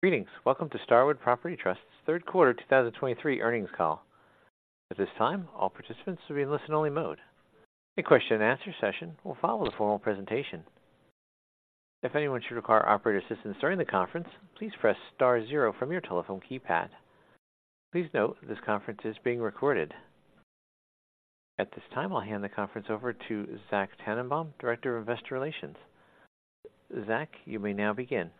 Greetings. Welcome to Starwood Property Trust's third quarter 2023 earnings call. At this time, all participants will be in listen-only mode. A question-and-answer session will follow the formal presentation. If anyone should require operator assistance during the conference, please press star zero from your telephone keypad. Please note, this conference is being recorded. At this time, I'll hand the conference over to Zach Tanenbaum, Director of Investor Relations. Zach, you may now begin.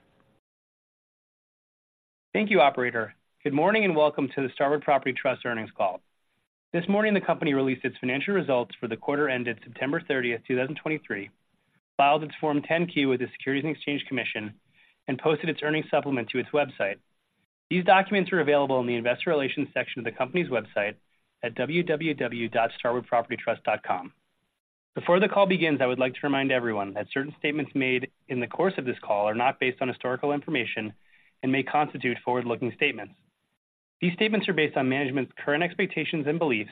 Thank you, operator. Good morning, and welcome to the Starwood Property Trust earnings call. This morning, the company released its financial results for the quarter ended September 30th, 2023, filed its Form 10-Q with the Securities and Exchange Commission, and posted its earnings supplement to its website. These documents are available in the Investor Relations section of the company's website at www.starwoodpropertytrust.com. Before the call begins, I would like to remind everyone that certain statements made in the course of this call are not based on historical information and may constitute forward-looking statements. These statements are based on management's current expectations and beliefs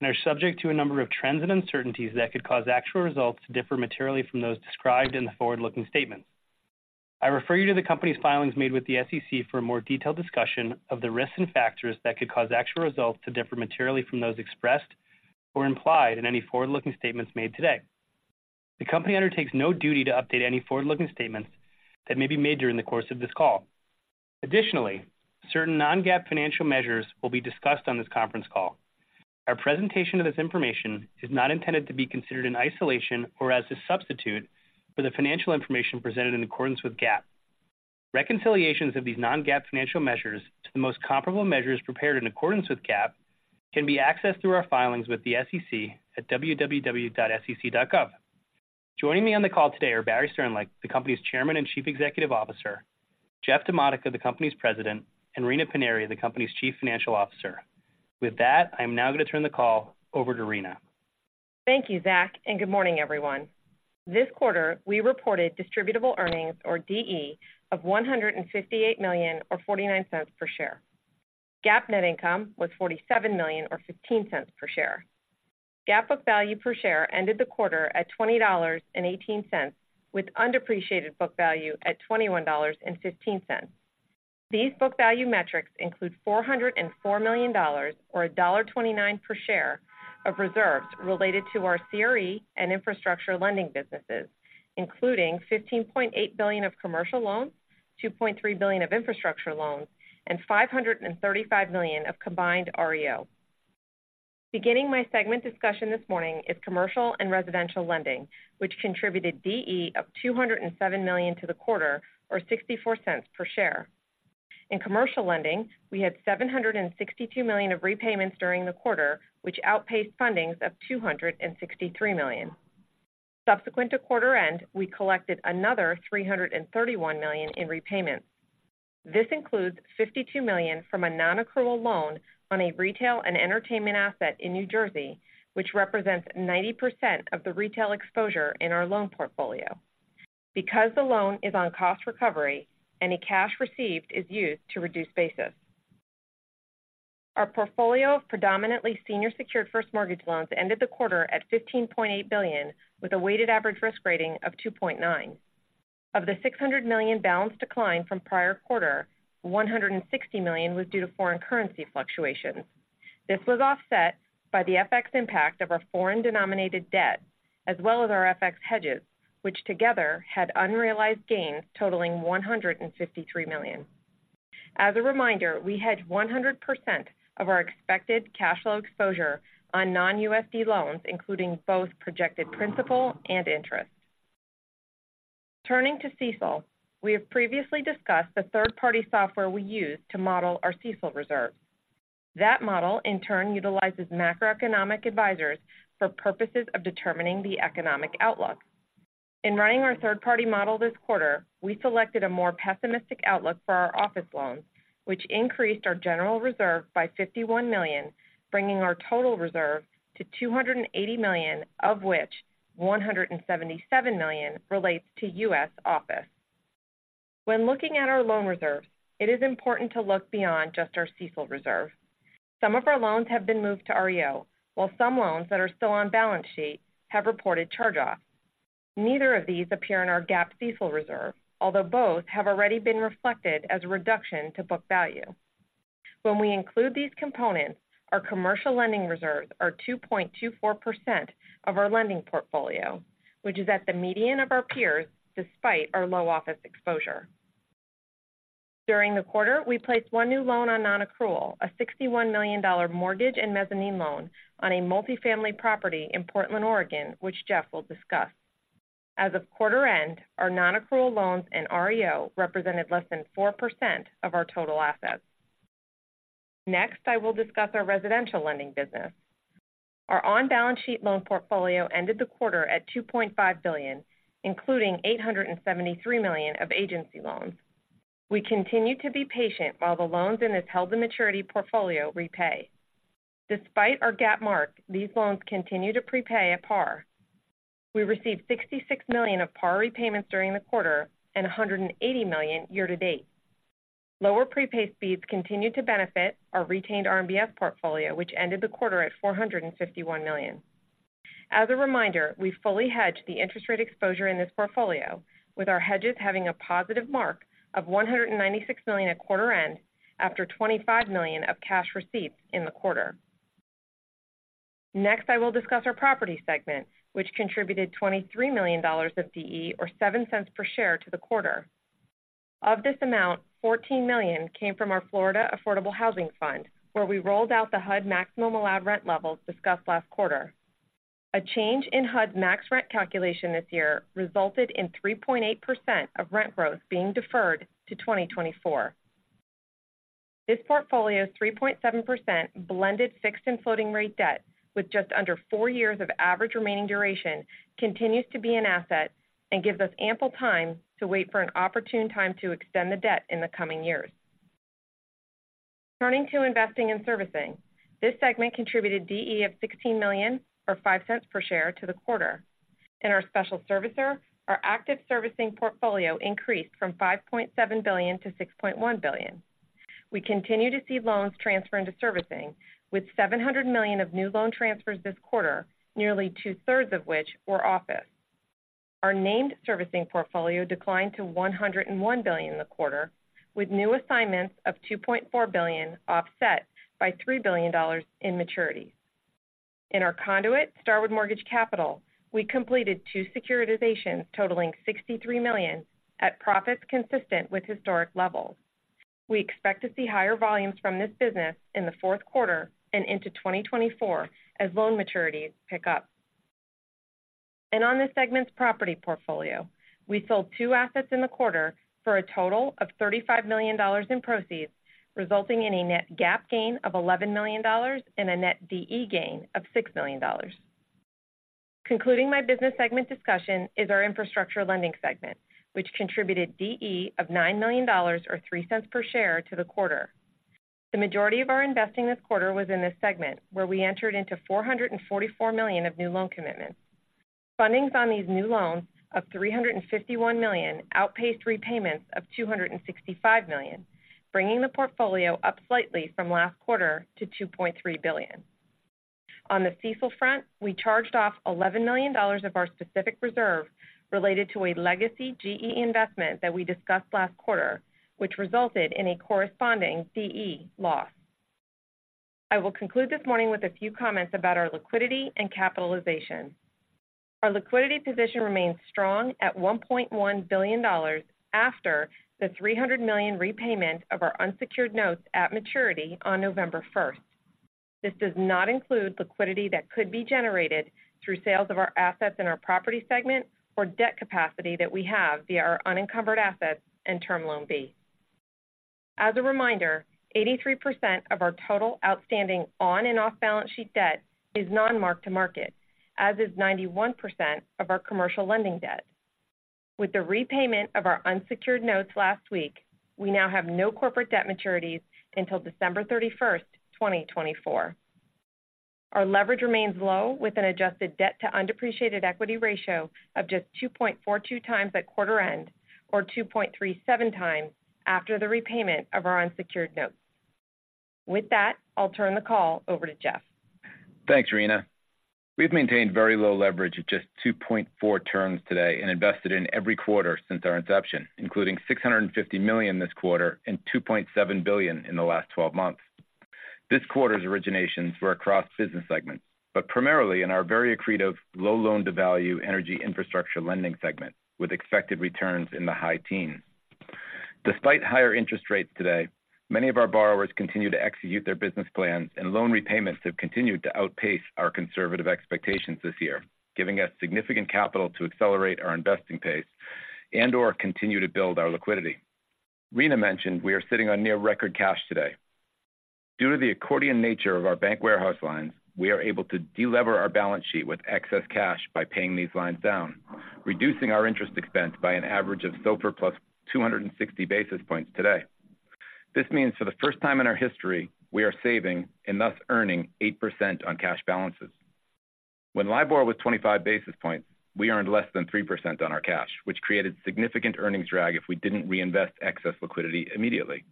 and are subject to a number of trends and uncertainties that could cause actual results to differ materially from those described in the forward-looking statements. I refer you to the company's filings made with the SEC for a more detailed discussion of the risks and factors that could cause actual results to differ materially from those expressed or implied in any forward-looking statements made today. The company undertakes no duty to update any forward-looking statements that may be made during the course of this call. Additionally, certain non-GAAP financial measures will be discussed on this conference call. Our presentation of this information is not intended to be considered in isolation or as a substitute for the financial information presented in accordance with GAAP. Reconciliations of these non-GAAP financial measures to the most comparable measures prepared in accordance with GAAP can be accessed through our filings with the SEC at www.sec.gov. Joining me on the call today are Barry Sternlicht, the company's Chairman and Chief Executive Officer, Jeff DiModica, the company's President, and Rina Paniry, the company's Chief Financial Officer. With that, I am now going to turn the call over to Rina. Thank you, Zach, and good morning, everyone. This quarter, we reported distributable earnings or DE of $158 million or $0.49 per share. GAAP net income was $47 million or $0.15 per share. GAAP book value per share ended the quarter at $20.18, with undepreciated book value at $21.15. These book value metrics include $404 million or $1.29 per share of reserves related to our CRE and infrastructure lending businesses, including $15.8 billion of commercial loans, $2.3 billion of infrastructure loans, and $535 million of combined REO. Beginning my segment discussion this morning is Commercial and Residential Lending, which contributed DE of $207 million to the quarter or $0.64 per share. In Commercial Lending, we had $762 million of repayments during the quarter, which outpaced fundings of $263 million. Subsequent to quarter end, we collected another $331 million in repayments. This includes $52 million from a non-accrual loan on a retail and entertainment asset in New Jersey, which represents 90% of the retail exposure in our loan portfolio. Because the loan is on cost recovery, any cash received is used to reduce basis. Our portfolio of predominantly senior secured first mortgage loans ended the quarter at $15.8 billion, with a weighted average risk rating of 2.9. Of the $600 million balance decline from prior quarter, $160 million was due to foreign currency fluctuations. This was offset by the FX impact of our foreign-denominated debt, as well as our FX hedges, which together had unrealized gains totaling $153 million. As a reminder, we hedge 100% of our expected cash flow exposure on non-USD loans, including both projected principal and interest. Turning to CECL, we have previously discussed the third-party software we use to model our CECL reserve. That model in turn utilizes Macroeconomic Advisers for purposes of determining the Economic Outlook. In running our third-party model this quarter, we selected a more pessimistic outlook for our office loans, which increased our general reserve by $51 million, bringing our total reserve to $280 million, of which $177 million relates to U.S. office. When looking at our loan reserves, it is important to look beyond just our CECL reserve. Some of our loans have been moved to REO, while some loans that are still on balance sheet have reported charge-offs. Neither of these appear in our GAAP CECL reserve, although both have already been reflected as a reduction to book value. When we include these components, our Commercial Lending reserves are 2.24% of our lending portfolio, which is at the median of our peers, despite our low office exposure. During the quarter, we placed one new loan on non-accrual, a $61 million mortgage and mezzanine loan on a multifamily property in Portland, Oregon, which Jeff will discuss. As of quarter end, our non-accrual loans and REO represented less than 4% of our total assets. Next, I will discuss our Residential Lending Business. Our on-balance sheet loan portfolio ended the quarter at $2.5 billion, including $873 million of agency loans. We continue to be patient while the loans in this held-to-maturity portfolio repay. Despite our GAAP mark, these loans continue to prepay at par. We received $66 million of par repayments during the quarter and $180 million year to date. Lower prepay speeds continued to benefit our retained RMBS portfolio, which ended the quarter at $451 million. As a reminder, we fully hedged the interest rate exposure in this portfolio, with our hedges having a positive mark of $196 million at quarter end, after $25 million of cash receipts in the quarter. Next, I will discuss our property segment, which contributed $23 million of DE, or $0.07 per share to the quarter. Of this amount, $14 million came from our Florida Affordable Housing Fund, where we rolled out the HUD maximum allowed rent levels discussed last quarter. A change in HUD's max rent calculation this year resulted in 3.8% of rent growth being deferred to 2024. This portfolio's 3.7% blended fixed and floating rate debt, with just under four years of average remaining duration, continues to be an asset and gives us ample time to wait for an opportune time to extend the debt in the coming years. Turning to investing and servicing, this segment contributed DE of $16 million, or $0.05 per share to the quarter. In our special servicer, our active servicing portfolio increased from $5.7 billion to $6.1 billion. We continue to see loans transfer into servicing, with $700 million of new loan transfers this quarter, nearly two-thirds of which were office. Our named servicing portfolio declined to $101 billion in the quarter, with new assignments of $2.4 billion, offset by $3 billion in maturities. In our conduit, Starwood Mortgage Capital, we completed two securitizations totaling $63 million, at profits consistent with historic levels. We expect to see higher volumes from this business in the Q4 and into 2024 as loan maturities pick up. And on the segment's property portfolio, we sold two assets in the quarter for a total of $35 million in proceeds, resulting in a net GAAP gain of $11 million and a net DE gain of $6 million. Concluding my business segment discussion is our infrastructure lending segment, which contributed DE of $9 million, or 3 cents per share to the quarter. The majority of our investing this quarter was in this segment, where we entered into $444 million of new loan commitments. Fundings on these new loans of $351 million outpaced repayments of $265 million, bringing the portfolio up slightly from last quarter to $2.3 billion. On the CECL front, we charged off $11 million of our specific reserve related to a legacy GE investment that we discussed last quarter, which resulted in a corresponding DE loss. I will conclude this morning with a few comments about our liquidity and capitalization. Our liquidity position remains strong at $1.1 billion after the $300 million repayment of our unsecured notes at maturity on November 1. This does not include liquidity that could be generated through sales of our assets in our property segment or debt capacity that we have via our unencumbered assets and Term Loan B. As a reminder, 83% of our total outstanding on and off-balance sheet debt is non-mark-to-market, as is 91% of our commercial lending debt. With the repayment of our unsecured notes last week, we now have no corporate debt maturities until December 31, 2024. Our leverage remains low, with an adjusted debt to undepreciated equity ratio of just 2.42 times at quarter end, or 2.37 times after the repayment of our unsecured notes. With that, I'll turn the call over to Jeff. Thanks, Rina. We've maintained very low leverage of just 2.4 turns today and invested in every quarter since our inception, including $650 million this quarter and $2.7 billion in the last twelve months. This quarter's originations were across business segments, but primarily in our very accretive, low loan-to-value energy infrastructure lending segment, with expected returns in the high teens. Despite higher interest rates today, many of our borrowers continue to execute their business plans, and loan repayments have continued to outpace our conservative expectations this year, giving us significant capital to accelerate our investing pace and/or continue to build our liquidity. Rina mentioned we are sitting on near record cash today. Due to the accordion nature of our bank warehouse lines, we are able to deleverage our balance sheet with excess cash by paying these lines down, reducing our interest expense by an average of SOFR + 260 basis points today. This means for the first time in our history, we are saving and thus earning 8% on cash balances. When LIBOR was 25 basis points, we earned less than 3% on our cash, which created significant earnings drag if we didn't reinvest excess liquidity immediately.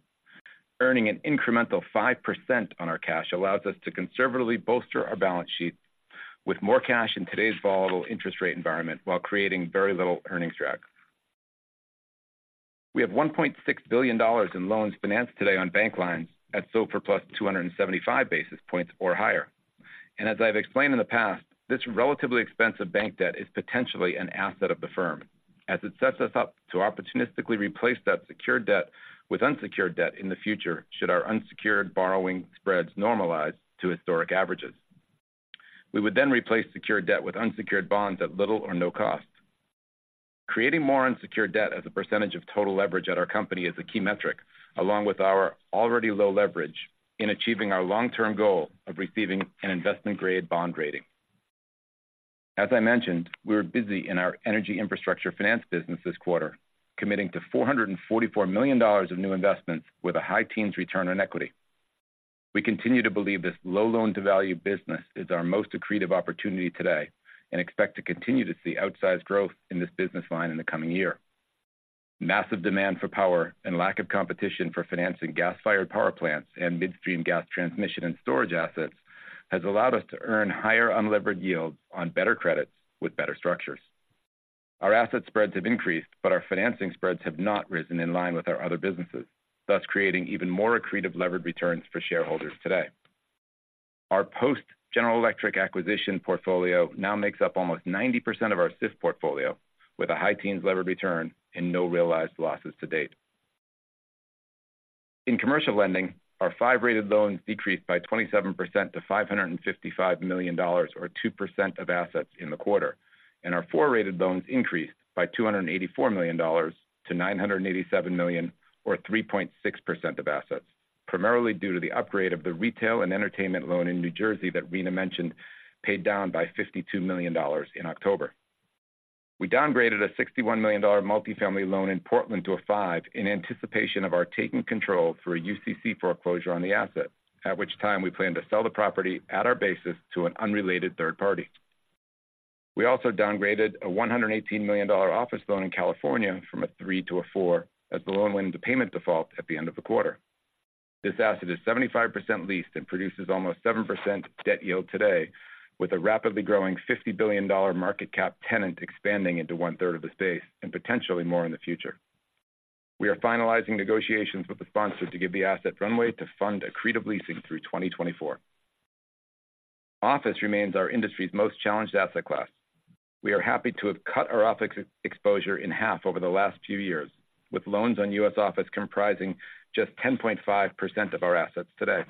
Earning an incremental 5% on our cash allows us to conservatively bolster our balance sheets with more cash in today's volatile interest rate environment, while creating very little earnings drag. We have $1.6 billion in loans financed today on bank lines at SOFR plus 275 basis points or higher. As I've explained in the past, this relatively expensive bank debt is potentially an asset of the firm, as it sets us up to opportunistically replace that secured debt with unsecured debt in the future, should our unsecured borrowing spreads normalize to historic averages. We would then replace secured debt with unsecured bonds at little or no cost. Creating more unsecured debt as a percentage of total leverage at our company is a key metric, along with our already low leverage in achieving our long-term goal of receiving an investment-grade bond rating. As I mentioned, we were busy in our energy infrastructure finance business this quarter, committing to $444 million of new investments with a high teens return on equity. We continue to believe this low loan-to-value business is our most accretive opportunity today and expect to continue to see outsized growth in this business line in the coming year. Massive demand for power and lack of competition for financing gas-fired power plants and midstream gas transmission and storage assets has allowed us to earn higher unlevered yields on better credits with better structures. Our asset spreads have increased, but our financing spreads have not risen in line with our other businesses, thus creating even more accretive levered returns for shareholders today. Our post-General Electric acquisition portfolio now makes up almost 90% of our SIF portfolio, with a high teens levered return and no realized losses to date. In commercial lending, our five rated loans decreased by 27% to $555 million, or 2% of assets in the quarter, and our four rated loans increased by $284 million to $987 million, or 3.6% of assets, primarily due to the upgrade of the retail and entertainment loan in New Jersey that Rina mentioned, paid down by $52 million in October. We downgraded a $61 million multifamily loan in Portland to a five in anticipation of our taking control through a UCC foreclosure on the asset, at which time we plan to sell the property at our basis to an unrelated third party. We also downgraded a $118 million office loan in California from a three to a four, as the loan went into payment default at the end of the quarter. This asset is 75% leased and produces almost 7% debt yield today, with a rapidly growing $50 billion market cap tenant expanding into one-third of the space and potentially more in the future. We are finalizing negotiations with the sponsor to give the asset runway to fund accretive leasing through 2024. Office remains our industry's most challenged asset class. We are happy to have cut our office exposure in half over the last few years, with loans on U.S. office comprising just 10.5% of our assets today.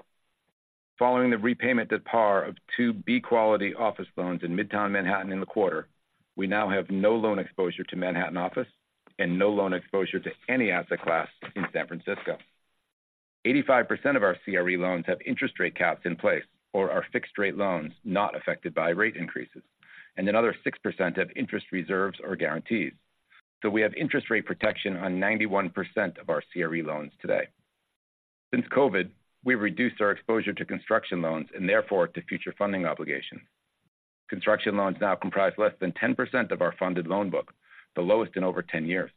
Following the repayment at par of two B-quality office loans in Midtown Manhattan in the quarter, we now have no loan exposure to Manhattan office and no loan exposure to any asset class in San Francisco. 85% of our CRE loans have interest rate caps in place or are fixed rate loans not affected by rate increases, and another 6% have interest reserves or guarantees. So we have interest rate protection on 91% of our CRE loans today. Since COVID, we've reduced our exposure to construction loans and therefore to future funding obligations. Construction loans now comprise less than 10% of our funded loan book, the lowest in over 10 years.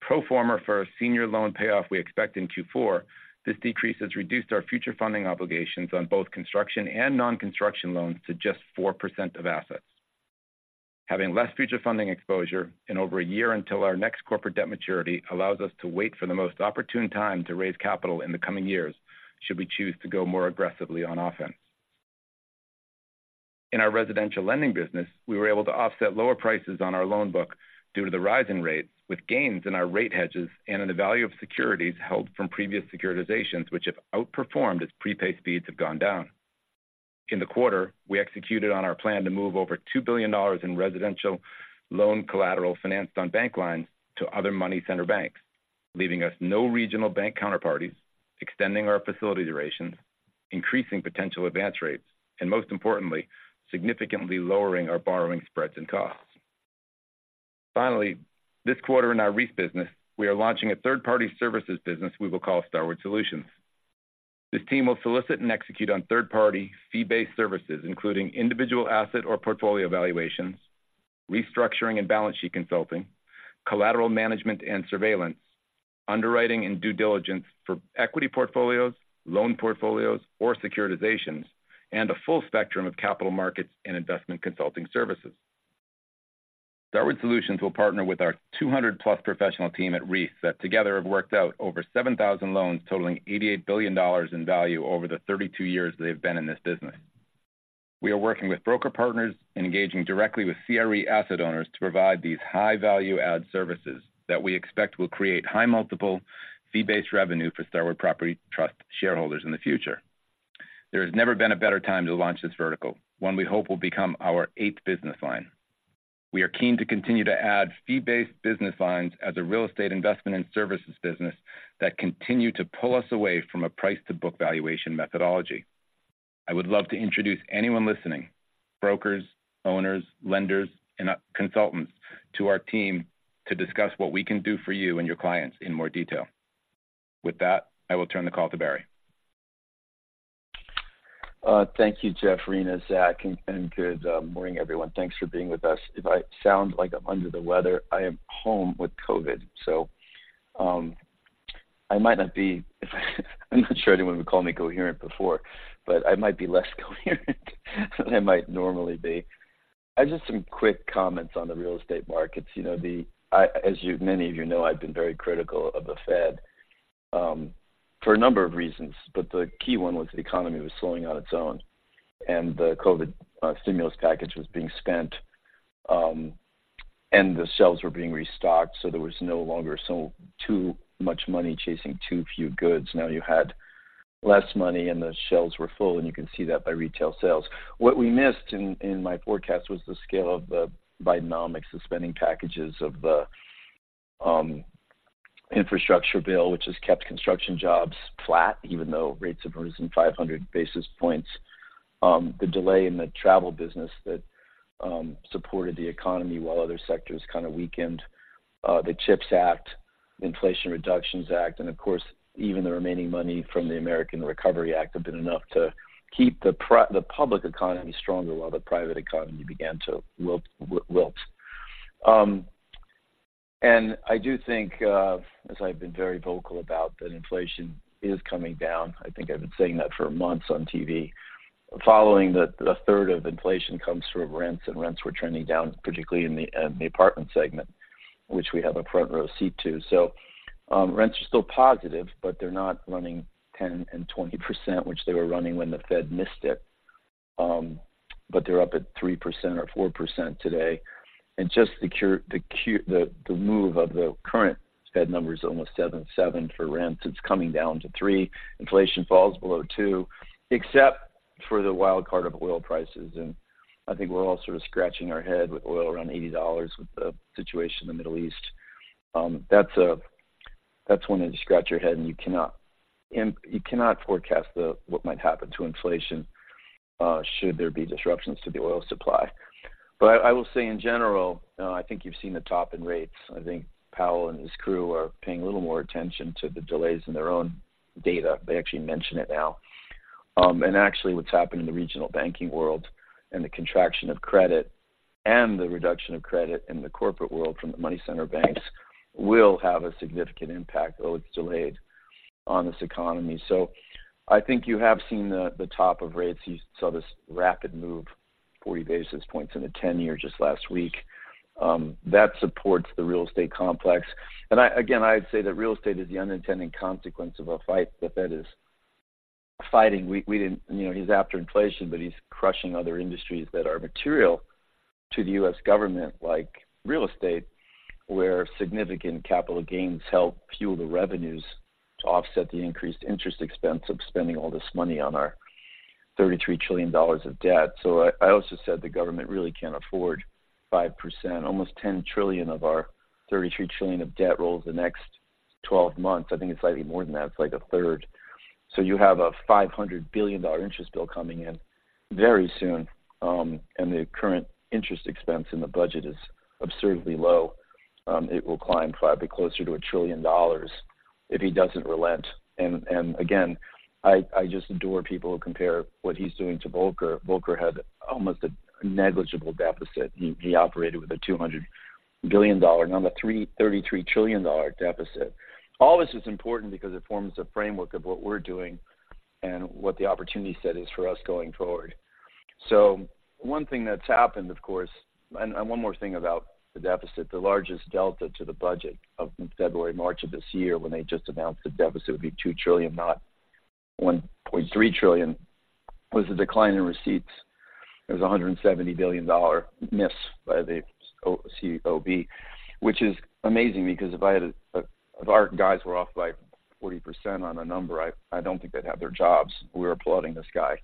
Pro forma for a senior loan payoff we expect in Q4, this decrease has reduced our future funding obligations on both construction and non-construction loans to just 4% of assets. Having less future funding exposure and over a year until our next corporate debt maturity allows us to wait for the most opportune time to raise capital in the coming years, should we choose to go more aggressively on offense. In our residential lending business, we were able to offset lower prices on our loan book due to the rise in rates, with gains in our rate hedges and in the value of securities held from previous securitizations, which have outperformed as prepay speeds have gone down. In the quarter, we executed on our plan to move over $2 billion in residential loan collateral financed on bank lines to other money center banks, leaving us no regional bank counterparties, extending our facility durations, increasing potential advance rates, and most importantly, significantly lowering our borrowing spreads and costs. Finally, this quarter in our REIT business, we are launching a third-party services business we will call Starwood Solutions. This team will solicit and execute on third-party fee-based services, including individual asset or portfolio evaluations, restructuring and balance sheet consulting, collateral management and surveillance, underwriting and due diligence for equity portfolios, loan portfolios, or securitizations, and a full spectrum of capital markets and investment consulting services. Starwood Solutions will partner with our 200+ professional team at REIT that together have worked out over 7,000 loans, totaling $88 billion in value over the 32 years they've been in this business. We are working with broker partners and engaging directly with CRE asset owners to provide these high value add services that we expect will create high multiple fee-based revenue for Starwood Property Trust shareholders in the future. There has never been a better time to launch this vertical, one we hope will become our eighth business line. We are keen to continue to add fee-based business lines as a real estate investment and services business that continue to pull us away from a price-to-book valuation methodology. I would love to introduce anyone listening, brokers, owners, lenders, and consultants, to our team to discuss what we can do for you and your clients in more detail. With that, I will turn the call to Barry. Thank you, Jeff, Rina, Zach, and good morning, everyone. Thanks for being with us. If I sound like I'm under the weather, I am home with COVID, so I might not be. I'm not sure anyone would call me coherent before, but I might be less coherent than I might normally be. I just some quick comments on the real estate markets. You know, as many of you know, I've been very critical of the Fed for a number of reasons, but the key one was the economy was slowing on its own, and the COVID stimulus package was being spent, and the shelves were being restocked, so there was no longer so too much money chasing too few goods. Now, you had less money and the shelves were full, and you can see that by retail sales. What we missed in my forecast was the scale of the Bidenomics, the spending packages of the infrastructure bill, which has kept construction jobs flat, even though rates have risen 500 basis points. The delay in the travel business that supported the economy while other sectors kind of weakened. The CHIPS Act, Inflation Reduction Act, and of course, even the remaining money from the American Recovery Act have been enough to keep the public economy strong, while the private economy began to wilt. And I do think, as I've been very vocal about, that inflation is coming down. I think I've been saying that for months on TV. A third of inflation comes from rents, and rents were trending down, particularly in the apartment segment, which we have a front-row seat to. So, rents are still positive, but they're not running 10% and 20%, which they were running when the Fed missed it. But they're up at 3% or 4% today. Just the move of the current Fed number is almost seven, seven for rents. It's coming down to 3%. Inflation falls below 2%, except for the wild card of oil prices, and I think we're all sort of scratching our head with oil around $80 with the situation in the Middle East. That's one that you scratch your head and you cannot forecast what might happen to inflation should there be disruptions to the oil supply. But I will say in general, I think you've seen the top in rates. I think Powell and his crew are paying a little more attention to the delays in their own data. They actually mention it now. And actually, what's happened in the regional banking world and the contraction of credit, and the reduction of credit in the corporate world from the money center banks, will have a significant impact, though it's delayed, on this economy. So I think you have seen the top of rates. You saw this rapid move, 40 basis points in a 10-year, just last week. That supports the real estate complex. And I again, I'd say that real estate is the unintended consequence of a fight the Fed is fighting. We didn't. You know, he's after inflation, but he's crushing other industries that are material to the U.S. government, like real estate, where significant capital gains help fuel the revenues to offset the increased interest expense of spending all this money on our $33 trillion of debt. So I also said the government really can't afford 5%. Almost $10 trillion of our $33 trillion of debt rolls the next 12 months. I think it's slightly more than that. It's like a third. So you have a $500 billion interest bill coming in very soon, and the current interest expense in the budget is absurdly low. It will climb probably closer to $1 trillion if he doesn't relent. And again, I just adore people who compare what he's doing to Volcker. Volcker had almost a negligible deficit. He, he operated with a $200 billion dollar, not a $333 trillion dollar deficit. All this is important because it forms a framework of what we're doing and what the opportunity set is for us going forward. So one thing that's happened, of course. And, and one more thing about the deficit, the largest delta to the budget of February, March of this year, when they just announced the deficit would be $2 trillion, not $1.3 trillion, was the decline in receipts. It was a $170 billion dollar miss by the CBO, which is amazing, because if I had a if our guys were off by 40% on a number, I, I don't think they'd have their jobs. We're applauding this guy,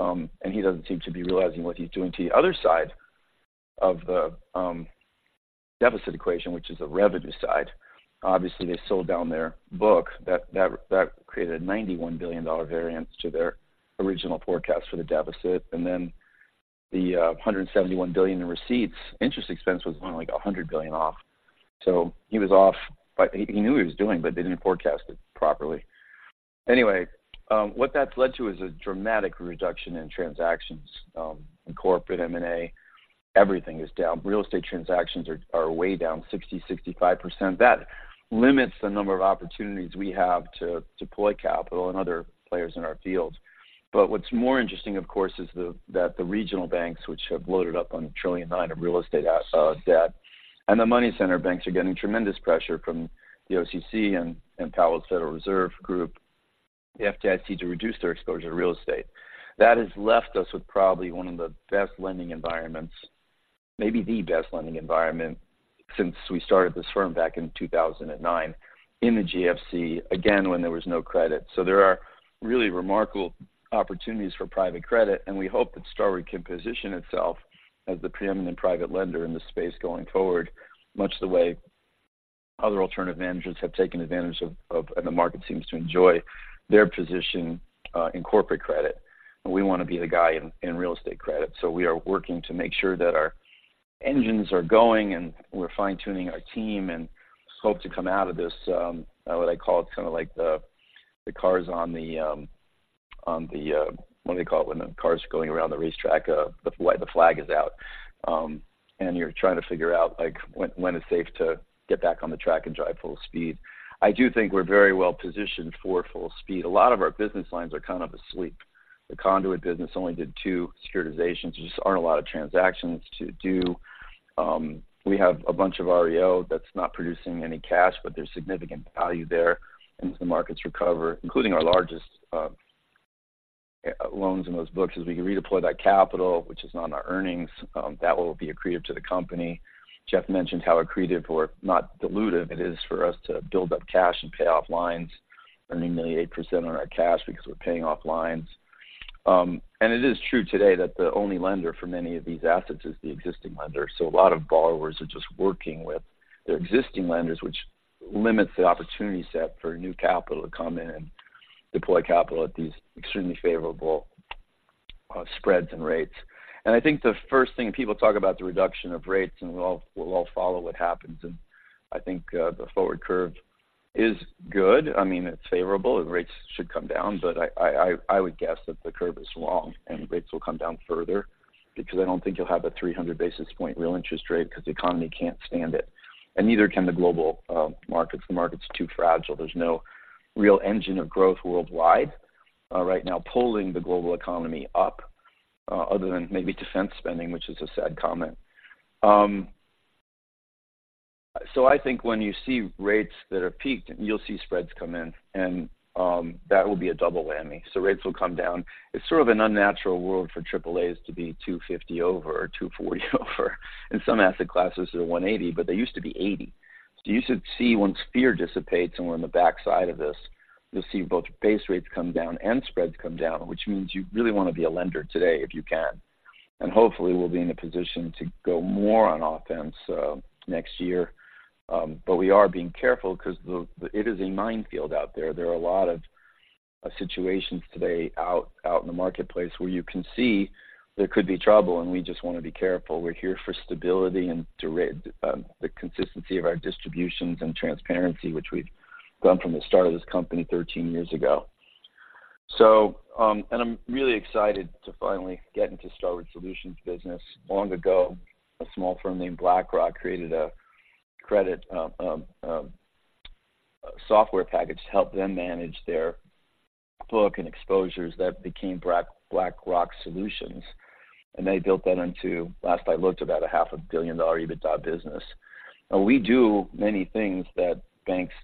and he doesn't seem to be realizing what he's doing to the other side of the deficit equation, which is the revenue side. Obviously, they sold down their book. That created a $91 billion variance to their original forecast for the deficit, and then the $171 billion in receipts, interest expense was only, like, $100 billion off. So he was off, but he knew what he was doing, but they didn't forecast it properly. Anyway, what that's led to is a dramatic reduction in transactions in corporate M&A. Everything is down. Real estate transactions are way down 60% to 65%. That limits the number of opportunities we have to deploy capital and other players in our field. But what's more interesting, of course, is that the regional banks, which have loaded up on $1.9 trillion of real estate debt, and the money center banks are getting tremendous pressure from the OCC and Powell's Federal Reserve group, the FDIC, to reduce their exposure to real estate. That has left us with probably one of the best lending environments, maybe the best lending environment since we started this firm back in 2009 in the GFC, again, when there was no credit. So there are really remarkable opportunities for private credit, and we hope that Starwood can position itself as the preeminent private lender in this space going forward, much the way other alternative managers have taken advantage of and the market seems to enjoy their position in corporate credit. We want to be the guy in real estate credit, so we are working to make sure that our engines are going and we're fine-tuning our team, and hope to come out of this, what I call, it's kind of like the cars on the. What do they call it when the cars are going around the racetrack? The white flag is out, and you're trying to figure out, like, when it's safe to get back on the track and drive full speed. I do think we're very well positioned for full speed. A lot of our business lines are kind of asleep. The conduit business only did two securitizations. There just aren't a lot of transactions to do. We have a bunch of REO that's not producing any cash, but there's significant value there as the markets recover, including our largest loans in those books, as we can redeploy that capital, which is not in our earnings, that will be accretive to the company. Jeff mentioned how accretive or not dilutive it is for us to build up cash and pay off lines, earning only 8% on our cash because we're paying off lines. And it is true today that the only lender for many of these assets is the existing lender. So a lot of borrowers are just working with their existing lenders, which limits the opportunity set for new capital to come in and deploy capital at these extremely favorable spreads and rates. I think the first thing, people talk about the reduction of rates, and we'll all follow what happens, and I think the forward curve is good. I mean, it's favorable, and rates should come down, but I would guess that the curve is wrong, and rates will come down further because I don't think you'll have a 300 basis point real interest rate 'cause the economy can't stand it, and neither can the global markets. The market's too fragile. There's no real engine of growth worldwide right now, pulling the global economy up other than maybe defense spending, which is a sad comment. So I think when you see rates that are peaked, you'll see spreads come in, and that will be a double whammy. So rates will come down. It's sort of an unnatural world for AAAs to be 250 over or 240 over. In some asset classes, they're 180, but they used to be 80. So you should see once fear dissipates and we're on the backside of this, you'll see both base rates come down and spreads come down, which means you really want to be a lender today, if you can. And hopefully, we'll be in a position to go more on offense next year. But we are being careful 'cause it is a minefield out there. There are a lot of situations today out in the marketplace where you can see there could be trouble, and we just want to be careful. We're here for stability and to rid the consistency of our distributions and transparency, which we've gone from the start of this company 13 years ago. I'm really excited to finally get into Starwood Solutions business. Long ago, a small firm named BlackRock created a credit software package to help them manage their book and exposures. That became BlackRock Solutions, and they built that into, last I looked, about a $500 million EBITDA business. Now, we do many things that banks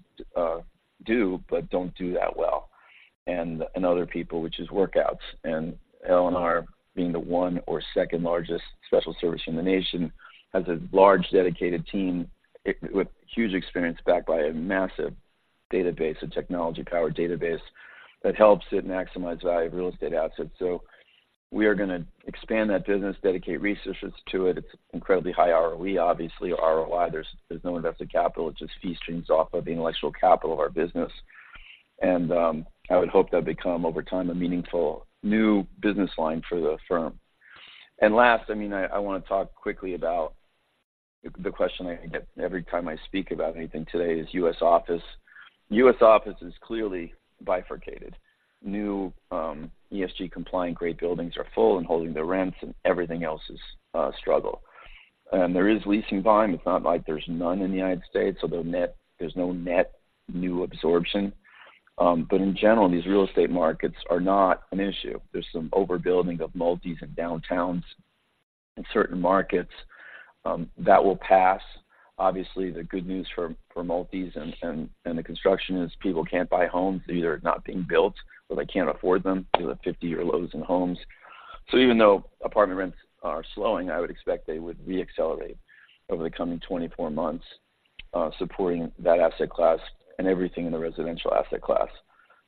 do but don't do that well, and other people, which is workouts. And LNR, being the one or second largest special servicer in the nation, has a large, dedicated team with huge experience, backed by a massive database, a technology-powered database, that helps it maximize value of real estate assets. So we are going to expand that business, dedicate resources to it. It's incredibly high ROE, obviously, ROI. There's no invested capital. It's just fee streams off of the intellectual capital of our business. And I would hope that become, over time, a meaningful new business line for the firm. And last, I mean, I want to talk quickly about the question I get every time I speak about anything today is U.S. office. U.S. office is clearly bifurcated. New ESG-compliant great buildings are full and holding their rents, and everything else is struggle. There is leasing volume. It's not like there's none in the United States, so the net. There's no net new absorption. But in general, these real estate markets are not an issue. There's some overbuilding of multis and downtowns in certain markets. That will pass. Obviously, the good news for multis and the construction is people can't buy homes. They're either not being built, or they can't afford them. We have 50-year lows in homes. So even though apartment rents are slowing, I would expect they would re-accelerate over the coming 24 months, supporting that asset class and everything in the residential asset class.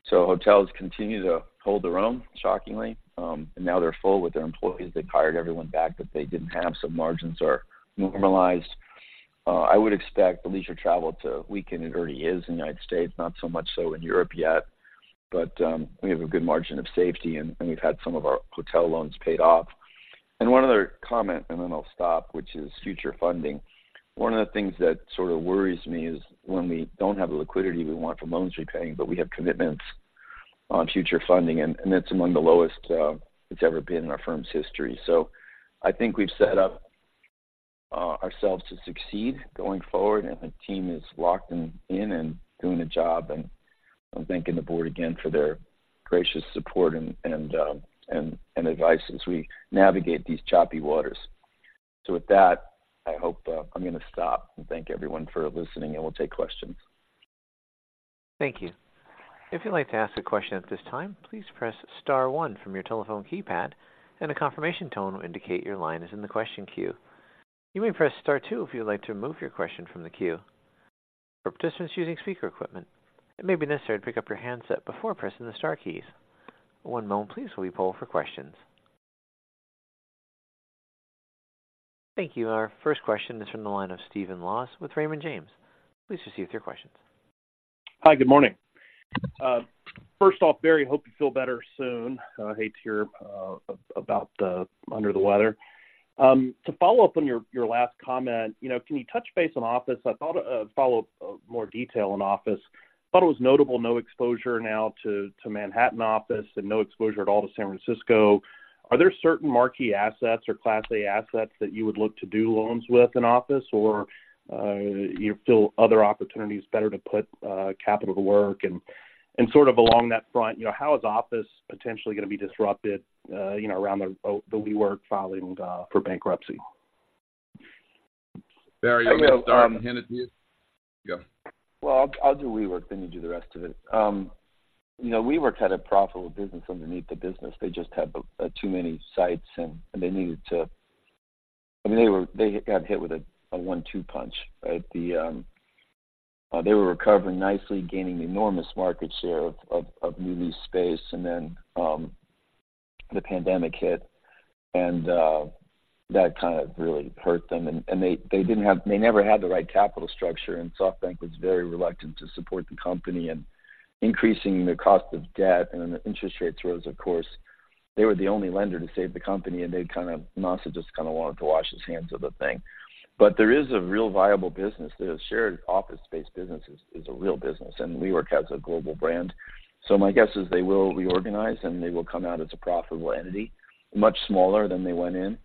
So hotels continue to hold their own, shockingly, and now they're full with their employees. They've hired everyone back that they didn't have, so margins are normalized. I would expect leisure travel to weaken. It already is in the United States, not so much so in Europe yet, but we have a good margin of safety, and we've had some of our hotel loans paid off. And one other comment, and then I'll stop, which is future funding. One of the things that sort of worries me is when we don't have the liquidity we want for loans repaying, but we have commitments on future funding, and it's among the lowest it's ever been in our firm's history. So I think we've set up ourselves to succeed going forward, and the team is locked in and doing a job. And I'm thanking the board again for their gracious support and advice as we navigate these choppy waters. So with that, I hope I'm going to stop and thank everyone for listening, and we'll take questions. Thank you. If you'd like to ask a question at this time, please press star one from your telephone keypad, and a confirmation tone will indicate your line is in the question queue. You may press star two if you would like to remove your question from the queue. For participants using speaker equipment, it may be necessary to pick up your handset before pressing the star keys. One moment please, while we poll for questions. Thank you. Our first question is from the line of Stephen Laws with Raymond James. Please proceed with your questions. Hi, good morning. First off, Barry, hope you feel better soon. I hate to hear about the under the weather. To follow up on your last comment, you know, can you touch base on office? I thought follow up more detail on office. Thought it was notable, no exposure now to Manhattan office and no exposure at all to San Francisco. Are there certain marquee assets or Class A assets that you would look to do loans with in office, or you feel other opportunities better to put capital to work? And sort of along that front, you know, how is office potentially going to be disrupted, you know, around the WeWork filing for bankruptcy? Barry, you want me to start and hand it to you? Go. Well, I'll, I'll do WeWork, then you do the rest of it. You know, WeWork had a profitable business underneath the business. They just had too many sites, and they needed to I mean, they were they got hit with a one-two punch, right? They were recovering nicely, gaining enormous market share of new lease space, and then the pandemic hit. And, that kind of really hurt them. And they didn't have they never had the right capital structure, and SoftBank was very reluctant to support the company. And increasing the cost of debt and then the interest rates rose, of course, they were the only lender to save the company, and they kind of, Masa just kind of wanted to wash his hands of the thing. But there is a real viable business. The shared office space business is a real business, and WeWork has a global brand. So my guess is they will reorganize, and they will come out as a profitable entity, much smaller than they went in.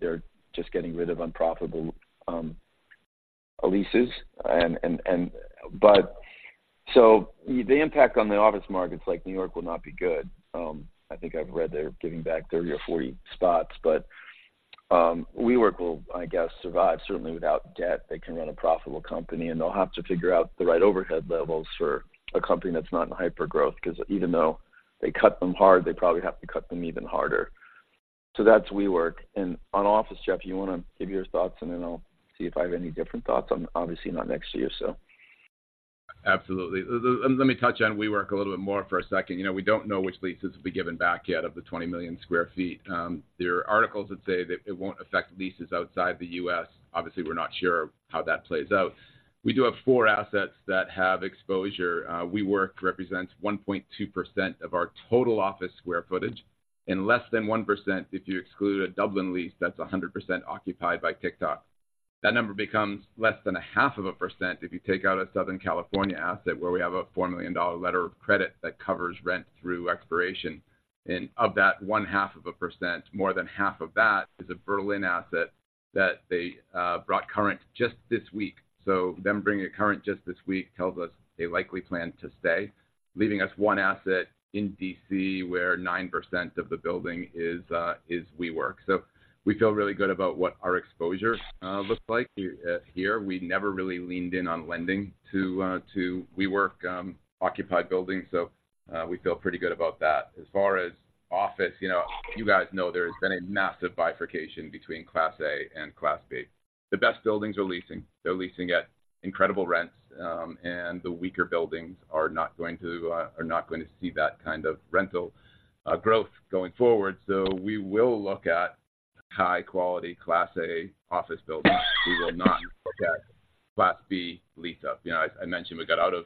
They're just getting rid of unprofitable leases. So the impact on the office markets like New York will not be good. I think I've read they're giving back 30 or 40 spots, but, WeWork will, I guess, survive. Certainly, without debt, they can run a profitable company, and they'll have to figure out the right overhead levels for a company that's not in hypergrowth, 'cause even though they cut them hard, they probably have to cut them even harder. So that's WeWork. And on office, Jeff, you want to give your thoughts, and then I'll see if I have any different thoughts on, obviously, not next to you, so. Absolutely. Let me touch on WeWork a little bit more for a second. You know, we don't know which leases will be given back yet of the 20 million sq ft. There are articles that say that it won't affect leases outside the U.S., Obviously, we're not sure how that plays out. We do have four assets that have exposure. WeWork represents 1.2% of our total office square footage, and less than 1% if you exclude a Dublin lease that's 100% occupied by TikTok. That number becomes less than 0.5% if you take out a Southern California asset, where we have a $4 million letter of credit that covers rent through expiration. Of that 0.5%, more than half of that is a Berlin asset that they brought current just this week. So them bringing it current just this week tells us they likely plan to stay, leaving us one asset in D.C., where 9% of the building is WeWork. So we feel really good about what our exposure looks like here. We never really leaned in on lending to WeWork occupied buildings, so we feel pretty good about that. As far as office, you know, you guys know there's been a massive bifurcation between Class A and Class B. The best buildings are leasing. They're leasing at incredible rents, and the weaker buildings are not going to see that kind of rental growth going forward. So we will look at high-quality Class A office buildings. We will not look at Class B lease-up. You know, I mentioned we got out of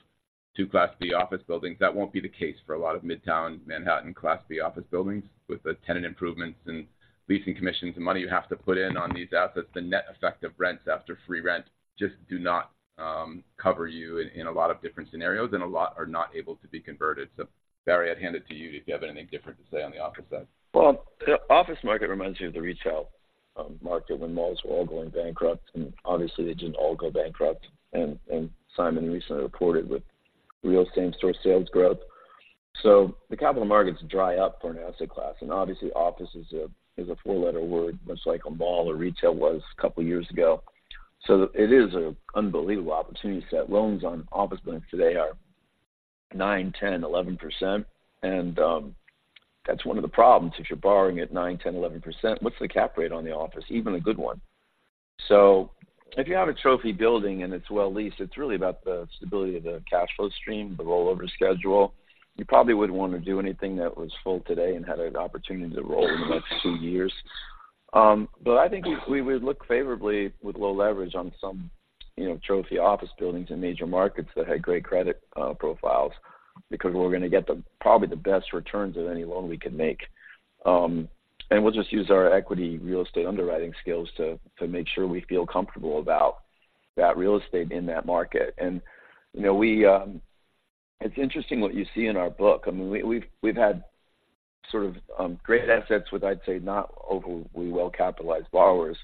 two Class B office buildings. That won't be the case for a lot of Midtown Manhattan Class B office buildings. With the tenant improvements and leasing commissions and money you have to put in on these assets, the net effect of rents after free rent just do not cover you in a lot of different scenarios, and a lot are not able to be converted. So Barry, I'd hand it to you if you have anything different to say on the office side. Well, the office market reminds me of the retail market when malls were all going bankrupt, and obviously, they didn't all go bankrupt, and Sean recently reported with real same-store sales growth. So the capital markets dry up for an asset class, and obviously, office is a, is a four-letter word, much like a mall or retail was a couple of years ago. So it is an unbelievable opportunity set. Loans on office buildings today are 9%, 10%, 11%, and that's one of the problems. If you're borrowing at 9%, 10%, 11%, what's the cap rate on the office, even a good one? So if you have a trophy building and it's well leased, it's really about the stability of the cash flow stream, the rollover schedule. You probably wouldn't want to do anything that was full today and had an opportunity to roll over the next two years. But I think we, we would look favorably with low leverage on some, you know, trophy office buildings in major markets that had great credit profiles, because we're going to get the, probably the best returns of any loan we could make. And we'll just use our equity real estate underwriting skills to, to make sure we feel comfortable about that real estate in that market. And, you know, we It's interesting what you see in our book. I mean, we've had sort of great assets with, I'd say, not overly well-capitalized borrowers,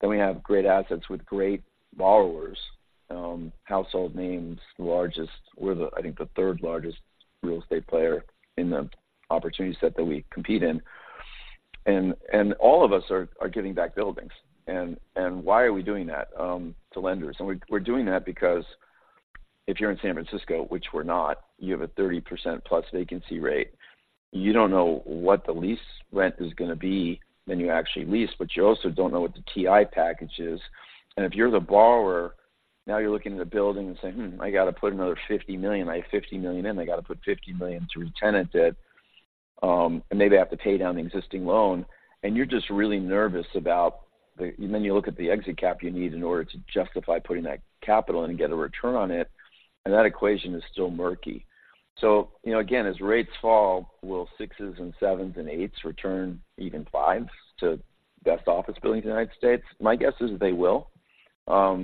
then we have great assets with great borrowers, household names, the largest we're the, I think, the third-largest real estate player in the opportunity set that we compete in. And all of us are giving back buildings. And why are we doing that to lenders? And we're doing that because if you're in San Francisco, which we're not, you have a 30%+ vacancy rate. You don't know what the lease rent is going to be when you actually lease, but you also don't know what the TI package is. And if you're the borrower, now you're looking at a building and saying, "I got to put another $50 million. I have $50 million in. I got to put $50 million to retenant it, and maybe I have to pay down the existing loan." And you're just really nervous about the. And then you look at the exit cap you need in order to justify putting that capital in and get a return on it, and that equation is still murky. So, you know, again, as rates fall, will six and seven and eight return, even five, to best office buildings in the United States? My guess is they will, at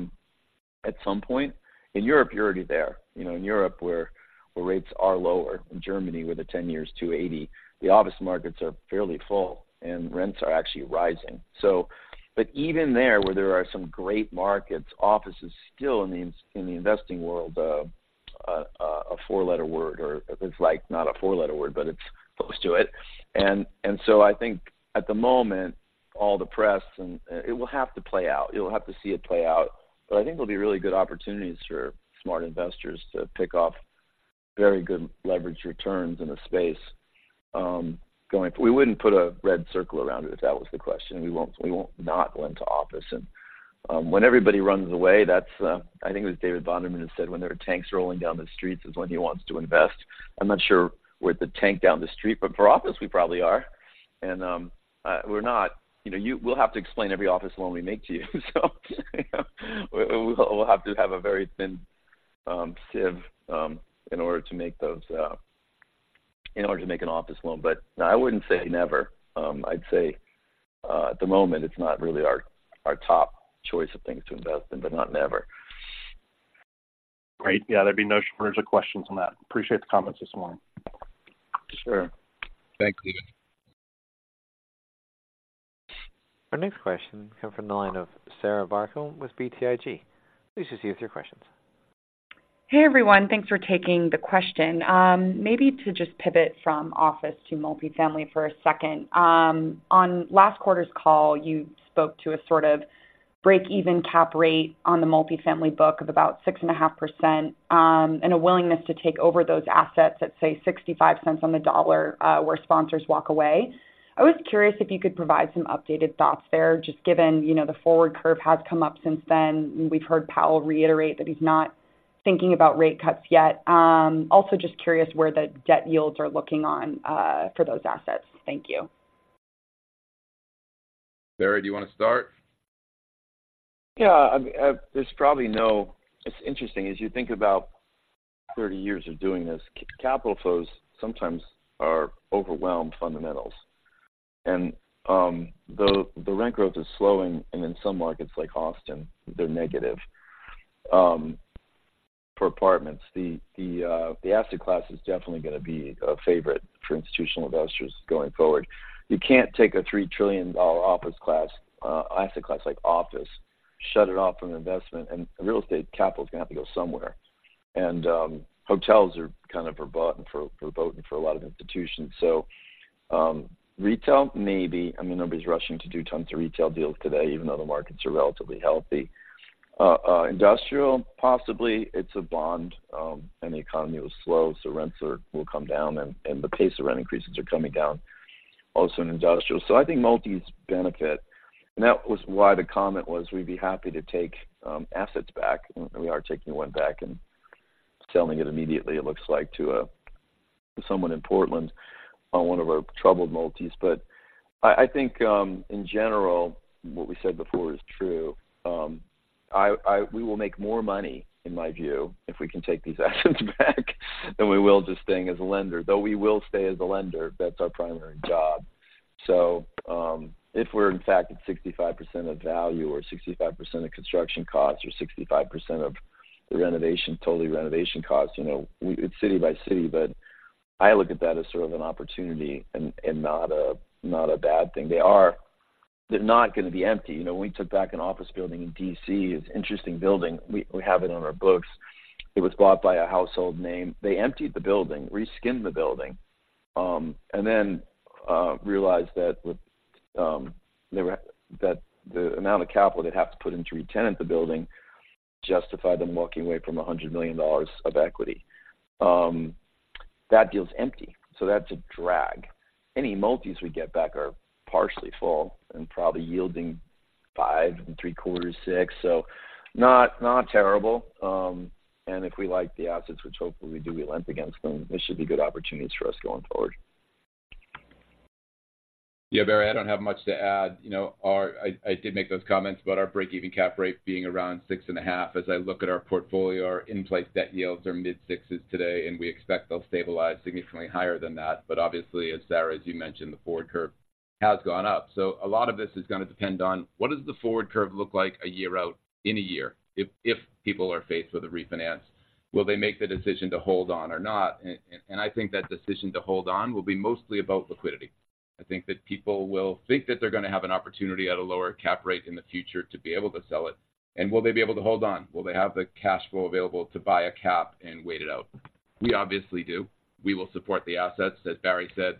some point. In Europe, you're already there. You know, in Europe, where rates are lower, in Germany, where the 10-year is 2.80%, the office markets are fairly full, and rents are actually rising. So, but even there, where there are some great markets, office is still, in the investing world, a four-letter word, or it's like not a four-letter word, but it's close to it. And so I think at the moment, all the press, it will have to play out. You'll have to see it play out, but I think there'll be really good opportunities for smart investors to pick off very good leverage returns in the space, going. We wouldn't put a red circle around it, if that was the question. We won't, we won't not lend to office. When everybody runs away, that's, I think it was David Bonderman who said, when there are tanks rolling down the streets, is when he wants to invest. I'm not sure we're the tank down the street, but for office, we probably are. And, we're not. You know, we'll have to explain every office loan we make to you. So, you know, we, we'll have to have a very thin sieve in order to make those, in order to make an office loan. But no, I wouldn't say never. I'd say, at the moment, it's not really our, our top choice of things to invest in, but not never. Great. Yeah, there'd be no further questions on that. Appreciate the comments this morning. Sure. Thank you. Our next question comes from the line of Sarah Barcomb with BTIG. Please proceed with your questions. Hey, everyone. Thanks for taking the question. Maybe to just pivot from office to multifamily for a second. On last quarter's call, you spoke to a sort of break-even cap rate on the multifamily book of about 6.5%, and a willingness to take over those assets at, say, $0.65 on the dollar, where sponsors walk away. I was curious if you could provide some updated thoughts there, just given, you know, the forward curve has come up since then, and we've heard Powell reiterate that he's not thinking about rate cuts yet. Also just curious where the debt yields are looking on for those assets. Thank you. Barry, do you want to start? Yeah, I mean, there's probably no. It's interesting, as you think about 30 years of doing this, capital flows sometimes are overwhelmed fundamentals. And, the rent growth is slowing, and in some markets like Austin, they're negative. For apartments, the asset class is definitely going to be a favorite for institutional investors going forward. You can't take a $3 trillion office class, asset class like office, shut it off from investment, and real estate capital is going to have to go somewhere. And, hotels are kind of verboten for a lot of institutions. So, retail, maybe, I mean, nobody's rushing to do tons of retail deals today, even though the markets are relatively healthy. Industrial, possibly, it's a bond, and the economy will slow, so rents will come down and the pace of rent increases are coming down also in industrial. So I think multis benefit, and that was why the comment was, we'd be happy to take assets back. And we are taking one back and selling it immediately, it looks like, to someone in Portland on one of our troubled multis. But I think, in general, what we said before is true. We will make more money, in my view, if we can take these assets back, than we will just staying as a lender, though we will stay as a lender. That's our primary job. So, if we're in fact at 65% of value or 65% of construction costs or 65% of the renovation, totally renovation costs, you know, we. It's city by city, but I look at that as sort of an opportunity and, and not a, not a bad thing. They are. They're not going to be empty. You know, when we took back an office building in D.C., it's interesting building. We, we have it on our books. It was bought by a household name. They emptied the building, re-skinned the building, and then realized that with, they were that the amount of capital they'd have to put in to re-tenant the building justified them walking away from $100 million of equity. That deal is empty, so that's a drag. Any multis we get back are partially full and probably yielding 5.75% to 6%. So not, not terrible. And if we like the assets, which hopefully we do, we lent against them, this should be good opportunities for us going forward. Yeah, Barry, I don't have much to add. You know, I did make those comments about our break-even cap rate being around 6.5%. As I look at our portfolio, our in-place debt yields are mid-60s today, and we expect they'll stabilize significantly higher than that. But obviously, as Sarah, as you mentioned, the forward curve has gone up. So a lot of this is going to depend on what does the forward curve look like a year out, in a year? If people are faced with a refinance, will they make the decision to hold on or not? And I think that decision to hold on will be mostly about liquidity. I think that people will think that they're going to have an opportunity at a lower cap rate in the future to be able to sell it. And will they be able to hold on? Will they have the cash flow available to buy a cap and wait it out? We obviously do. We will support the assets. As Barry said,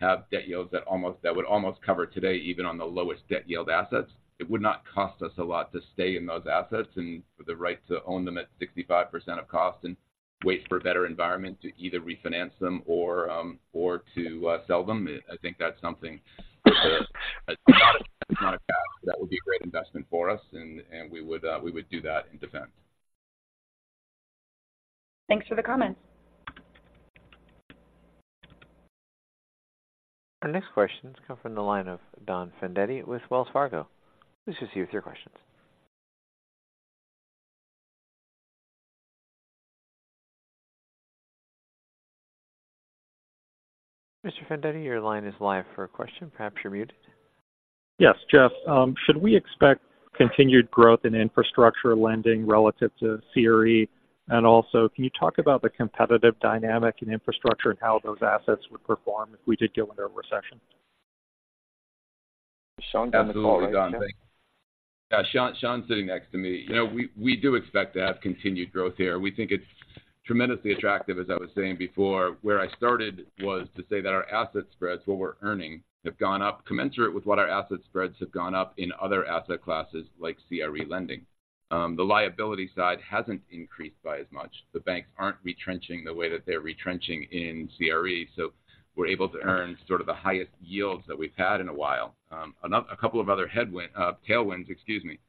they have debt yields that almost, that would almost cover today, even on the lowest debt yield assets. It would not cost us a lot to stay in those assets and with the right to own them at 65% of cost, and wait for a better environment to either refinance them or to sell them. I think that's something, that's not a task that would be a great investment for us, and we would do that in defense. Thanks for the comments. Our next question comes from the line of Don Fandetti with Wells Fargo. Please proceed with your questions. Mr. Fandetti, your line is live for a question. Perhaps you're muted. Yes, Jeff, should we expect continued growth in infrastructure lending relative to CRE? And also, can you talk about the competitive dynamic in infrastructure and how those assets would perform if we did go into a recession? Sean, do you want to call it? Absolutely, Don. Thank you. Yeah, Sean, Sean is sitting next to me. You know, we do expect to have continued growth here. We think it's tremendously attractive. As I was saying before, where I started was to say that our asset spreads, what we're earning, have gone up commensurate with what our asset spreads have gone up in other asset classes like CRE lending. The liability side hasn't increased by as much. The banks aren't retrenching the way that they're retrenching in CRE, so we're able to earn sort of the highest yields that we've had in a while. A couple of other tailwinds, excuse me.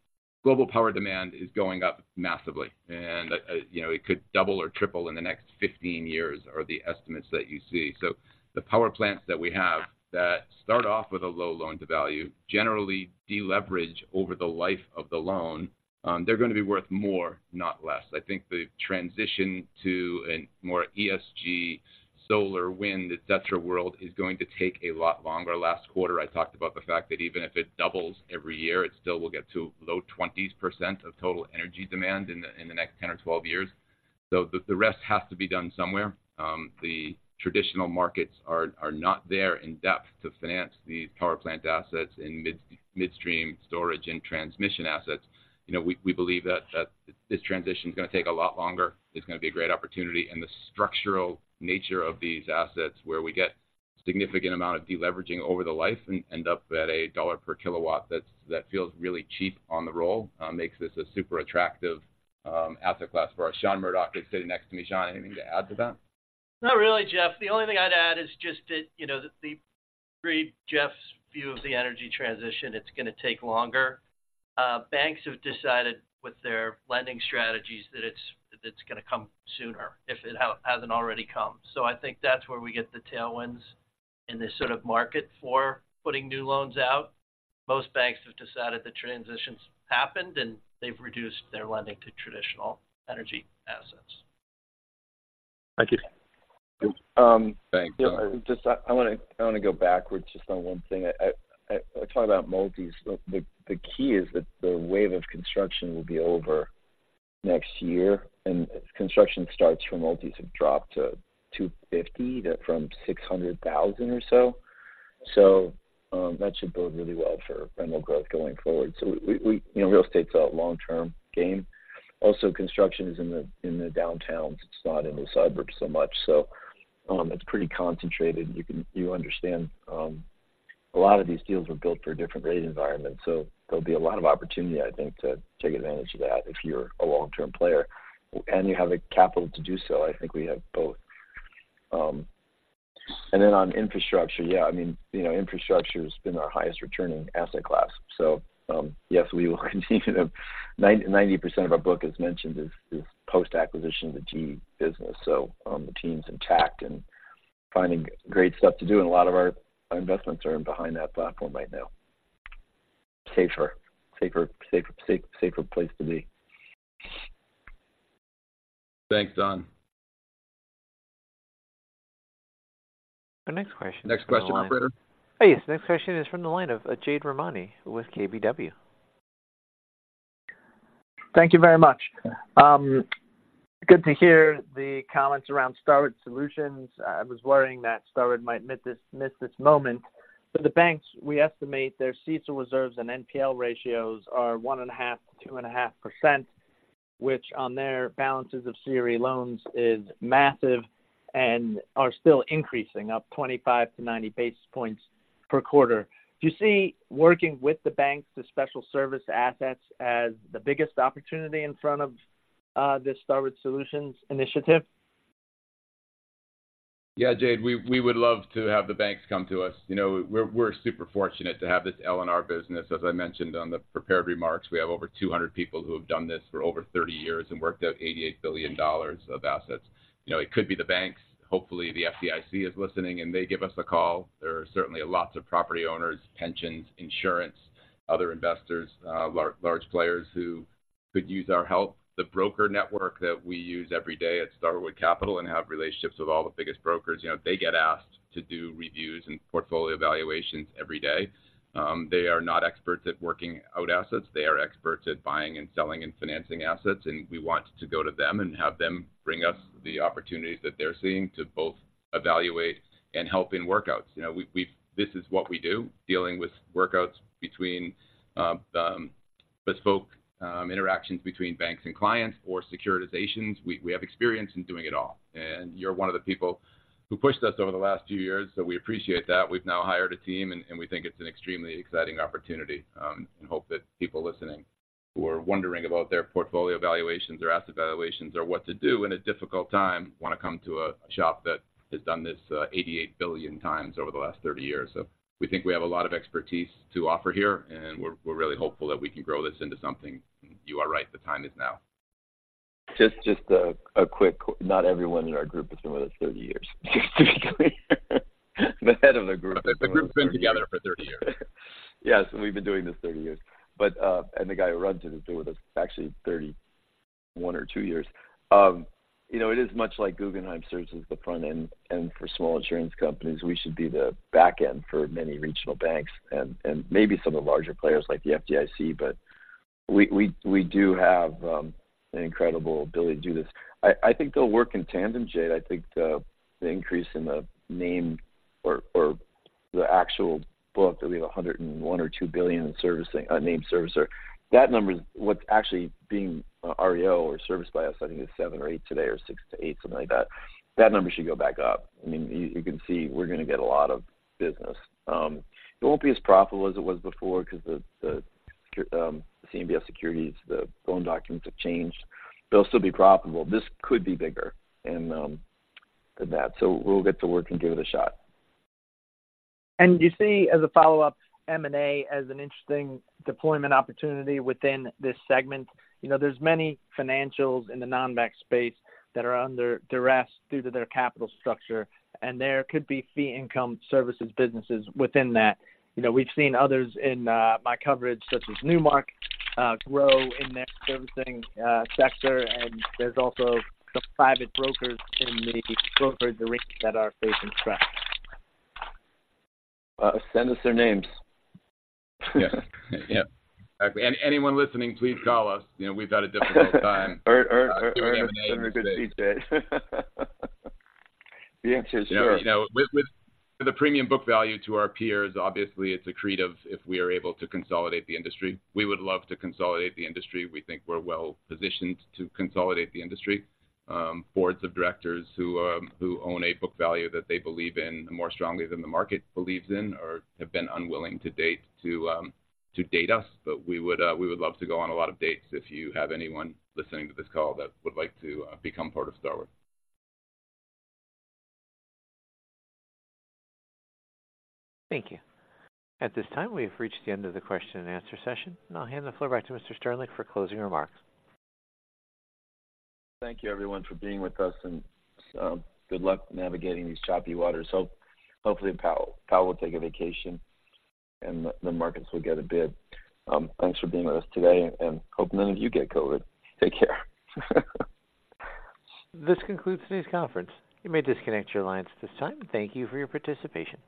Global power demand is going up massively, and you know, it could double or triple in the next 15 years, are the estimates that you see. So the power plants that we have that start off with a low loan-to-value generally deleverage over the life of the loan. They're going to be worth more, not less. I think the transition to a more ESG solar, wind, et cetera, world is going to take a lot longer. Last quarter, I talked about the fact that even if it doubles every year, it still will get to low 20s% of total energy demand in the next 10 or 12 years. So the rest has to be done somewhere. The traditional markets are not there in depth to finance these power plant assets in midstream storage and transmission assets. You know, we believe that this transition is going to take a lot longer. It's going to be a great opportunity, and the structural nature of these assets, where we get significant amount of deleveraging over the life and end up at a dollar per kilowatt, that feels really cheap on the roll, makes this a super attractive asset class for us. Sean Murdock is sitting next to me. Sean, anything to add to that? Not really, Jeff. The only thing I'd add is just that, you know, I agree with Jeff's view of the energy transition. It's going to take longer. Banks have decided with their lending strategies that it's going to come sooner, if it hasn't already come. So I think that's where we get the tailwinds in this sort of market for putting new loans out. Most banks have decided the transition has happened, and they've reduced their lending to traditional energy assets. Thank you. Thanks, Don. Just, I want to go backwards just on one thing. I talk about multis. The key is that the wave of construction will be over next year, and construction starts for multis have dropped to 250 from 600,000 or so. So, that should bode really well for rental growth going forward. So we. You know, real estate's a long-term game. Also, construction is in the downtowns. It's not in the suburbs so much, so, it's pretty concentrated. You can. You understand, a lot of these deals were built for a different rate environment, so there'll be a lot of opportunity, I think, to take advantage of that if you're a long-term player, and you have the capital to do so. I think we have both. And then on infrastructure, yeah, I mean, you know, infrastructure's been our highest returning asset class. So, yes, we will continue to 90% of our book, as mentioned, is post-acquisition of the GE business. So, the team's intact and finding great stuff to do, and a lot of our investments are in behind that platform right now. Safer, safer, safer, safer place to be. Thanks, Don. The next question Next question, operator. Yes. The next question is from the line of Jade Rahmani with KBW. Thank you very much. Good to hear the comments around Starwood Solutions. I was worrying that Starwood might miss this, miss this moment. For the banks, we estimate their CECL reserves and NPL ratios are 1.5% to 2.5%, which on their balances of CRE loans is massive and are still increasing, up 25 to 90 basis points per quarter. Do you see working with the banks, the special service assets, as the biggest opportunity in front of, this Starwood Solutions initiative? Yeah, Jade, we would love to have the banks come to us. You know, we're super fortunate to have this LNR business. As I mentioned on the prepared remarks, we have over 200 people who have done this for over 30 years and worked out $88 billion of assets. You know, it could be the banks. Hopefully, the FDIC is listening, and they give us a call. There are certainly lots of property owners, pensions, insurance, other investors, large players who could use our help. The broker network that we use every day at Starwood Capital and have relationships with all the biggest brokers, you know, they get asked to do reviews and portfolio evaluations every day. They are not experts at working out assets. They are experts at buying and selling and financing assets, and we want to go to them and have them bring us the opportunities that they're seeing to both evaluate and help in workouts. You know, this is what we do, dealing with workouts between bespoke interactions between banks and clients or securitizations. We have experience in doing it all, and you're one of the people who pushed us over the last few years, so we appreciate that. We've now hired a team and we think it's an extremely exciting opportunity, and hope that people listening who are wondering about their portfolio evaluations or asset valuations or what to do in a difficult time want to come to a shop that has done this $88 billion times over the last 30 years. So we think we have a lot of expertise to offer here, and we're really hopeful that we can grow this into something. You are right, the time is now. Just a quick. Not everyone in our group has been with us 30 years. Just to be clear. The head of the group. The group's been together for 30 years. Yes, we've been doing this 30 years. But, and the guy who runs it has been with us actually 31 or 32 years. You know, it is much like Guggenheim serves as the front end, and for small insurance companies, we should be the back end for many regional banks and, and maybe some of the larger players like the FDIC, but we, we, we do have an incredible ability to do this. I think they'll work in tandem, Jade. I think the increase in the name or the actual book, I think we have $101 billion or $102 billion in servicing, named servicer. That number is what's actually being REO or serviced by us, I think, is $7 billion or $8 billion today, or six to eight, something like that. That number should go back up. I mean, you can see we're going to get a lot of business. It won't be as profitable as it was before because the CMBS securities, the loan documents have changed. But it'll still be profitable. This could be bigger than that. So we'll get to work and give it a shot. Do you see, as a follow-up, M&A as an interesting deployment opportunity within this segment? You know, there's many financials in the non-bank space that are under duress due to their capital structure, and there could be fee income services businesses within that. You know, we've seen others in, my coverage, such as Newmark, grow in their servicing, sector, and there's also some private brokers in the broker directory that are facing stress. Send us their names. Yeah. Yep. And anyone listening, please call us. You know, we've had a difficult time. A good Jade. The answer is sure. You know, with the premium book value to our peers, obviously, it's accretive if we are able to consolidate the industry. We would love to consolidate the industry. We think we're well positioned to consolidate the industry. Boards of directors who own a book value that they believe in more strongly than the market believes in, or have been unwilling to date us. But we would love to go on a lot of dates if you have anyone listening to this call that would like to become part of Starwood. Thank you. At this time, we've reached the end of the question and answer session. I'll hand the floor back to Mr. Sternlicht for closing remarks. Thank you, everyone, for being with us, and good luck navigating these choppy waters. So hopefully, Powell will take a vacation, and the markets will get a bid. Thanks for being with us today, and hope none of you get COVID. Take care. This concludes today's conference. You may disconnect your lines at this time. Thank you for your participation.